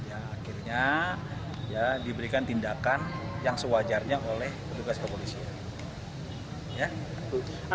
akhirnya diberikan tindakan yang sewajarnya oleh pedugas kepolisian